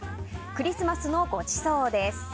「クリスマスのごちそう」です。